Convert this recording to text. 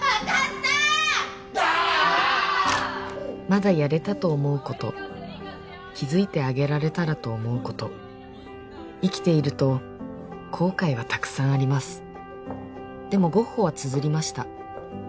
まだやれたと思うこと気づいてあげられたらと思うこと生きていると後悔はたくさんありますでもゴッホはつづりました